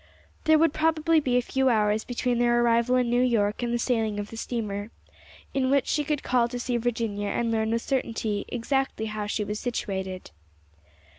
There would probably be a few hours between their arrival in New York and the sailing of the steamer, in which she could call to see Virginia and learn with certainty exactly how she was situated.